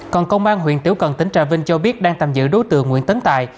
còn công an huyện tiểu cần tỉnh trà vinh cho biết đang tạm giữ đối tượng nguyễn tấn tài